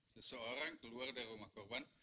seseorang keluar dari rumah korban